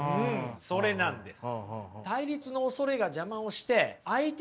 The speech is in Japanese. それなんです。